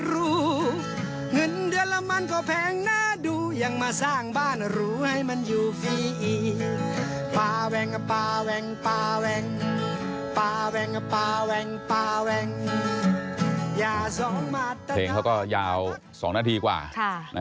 หุ้นตสมพันธ์แหละนะครับ